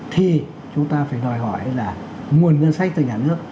thì chúng ta phải đòi hỏi là nguồn ngân sách từ nhà nước